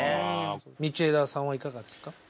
道枝さんはいかがですか？